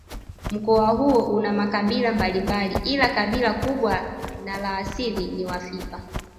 Mkoa huo una makabila mbalimbali ila kabila kubwa na la asili ni Wafipa